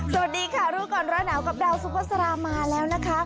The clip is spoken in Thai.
สวัสดีค่ะรู้ก่อนร้อนหนาวกับดาวซุภาษามาแล้วนะคะ